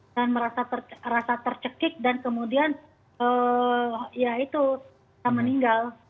dan merasa tercekik dan kemudian ya itu tak meninggal